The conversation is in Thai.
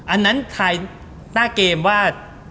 อันนั้นถ่ายหน้าเกมว่า